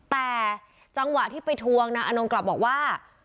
แต่จังหวะที่ไปทวงนางอนงกลับบอกว่า